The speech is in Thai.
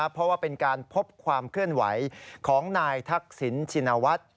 เพราะว่าเป็นการพบความเคลื่อนไหวของนายทักษิณชินวัฒน์